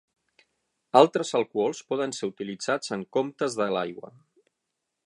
Altres alcohols poden ser utilitzats en comptes de l'aigua.